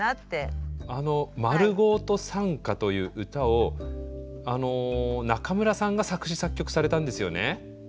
あの「まるごーと賛歌」という歌を中村さんが作詞作曲されたんですよね？